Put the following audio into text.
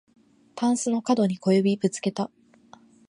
たんすのかどに小指ぶつけた